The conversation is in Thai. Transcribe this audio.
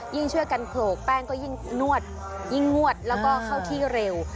ช่วยกันโขลกแป้งก็ยิ่งนวดยิ่งงวดแล้วก็เข้าที่เร็ว